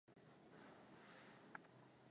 Malindi kuna wachezaji mpira wazuri sana.